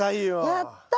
やった！